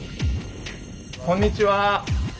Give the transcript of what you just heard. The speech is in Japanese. こんにちは。